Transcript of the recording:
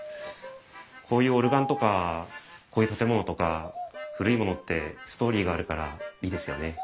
こういうオルガンとかこういう建物とか古いものってストーリーがあるからいいですよね。